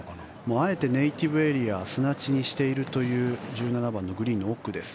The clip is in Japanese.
あえてネイティブエリア砂地にしているという１７番のグリーンの奥です。